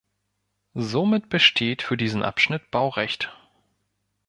Somit besteht für diesen Abschnitt Baurecht.